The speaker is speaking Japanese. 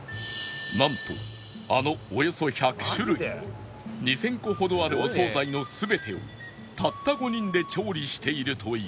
なんとあのおよそ１００種類２０００個ほどあるお惣菜の全てをたった５人で調理しているという